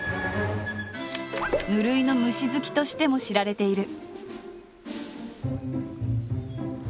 無類の虫好きとしても知られている。